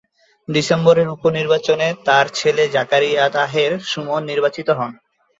ডিসেম্বরের উপ-নির্বাচনে তার ছেলে জাকারিয়া তাহের সুমন নির্বাচিত হন।